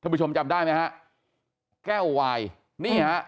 ท่านผู้ชมจับได้มั้ยฮะแก้วไหวน์นี่ฮะ